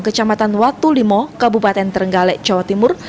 kecamatan watulimo kabupaten trenggalek jawa timur